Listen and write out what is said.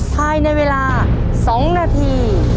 ภายในเวลา๒นาที